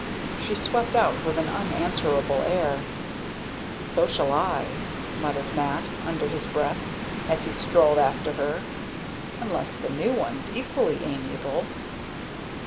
She swept out with an unanswerable air. "So shall I," muttered Mat, under his breath, as he strolled after her; "unless the new one's equally amiable."